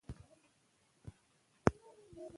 احمدشاه بابا د افغانستان د ازادی بنسټ کېښود.